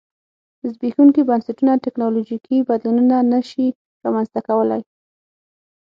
زبېښونکي بنسټونه ټکنالوژیکي بدلونونه نه شي رامنځته کولای